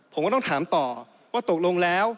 ผมก็ต้องถามต่อว่าตกลงแล้ว